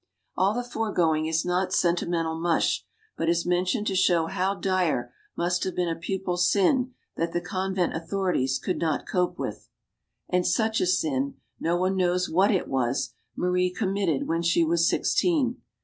MADAME DU BARRY 177 All the foregoing is not sentimental mush, but is mentioned to show how dire must have been a pupil's sin that the convent authorities could not cope with. And such a sin no one knows what it was Marie committed when she was sixteen.